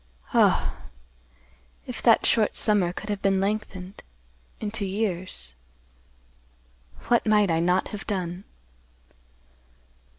Oh!—if that short summer could have been lengthened—into years, what might I not have done?